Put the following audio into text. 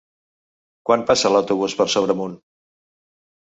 Quan passa l'autobús per Sobremunt?